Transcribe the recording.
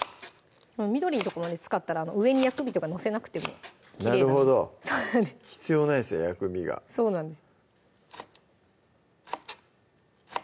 緑の所使ったら上に薬味とか載せなくてもきれいなんでなるほど必要ないですよ薬味がそうなんです